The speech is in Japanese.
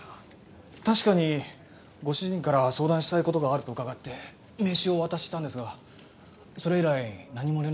確かにご主人から相談したい事があると伺って名刺をお渡ししたんですがそれ以来何も連絡がないんです。